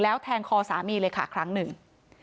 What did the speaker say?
แล้วแทงคอสามีเลยค่ะครั้งหนึ่ง